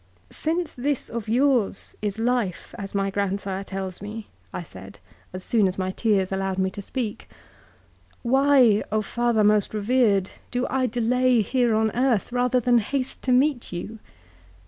"' Since this of yours is life as my grandsire tells me,' I said as soon as my tears allowed me to speak, ' why, father most revered, do I delay here on earth, rather than haste to meet you?'